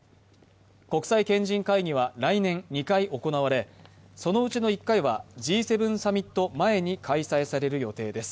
国際賢人会議は来年２回行われそのうちの１回はＧ７サミット前に開催される予定です。